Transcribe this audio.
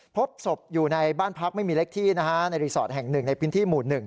พบศพอยู่ในบ้านพักไม่มีเล็กที่นะฮะในรีสอร์ทแห่งหนึ่งในพื้นที่หมู่๑